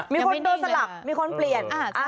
มีคนโดนสลับมีคนเปลี่ยน